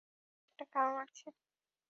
আচ্ছা, একটা কারণ আছে।